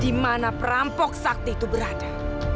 dimana perampok sakti itu berada